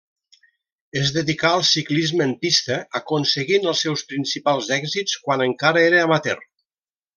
Es dedicà al ciclisme en pista, aconseguint els seus principals èxits quan encara era amateur.